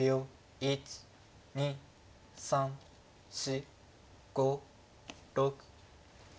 １２３４５６。